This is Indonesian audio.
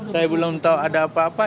saya belum tahu ada apa apa